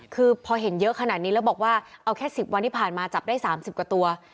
คือพอเห็นเยอะขนาดนี้แล้วบอกว่าเอาแค่๑๐วันที่ผ่านมาจับได้๓๐กว่าตัว